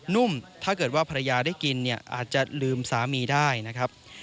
นุ่มถ้าเกิดว่าภรรยาได้กินเนี่ยอาจจะลืมสามีได้นะครับ